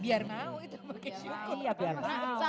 biar mau itu pakai syukur